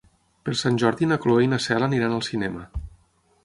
Per Sant Jordi na Cloè i na Cel aniran al cinema.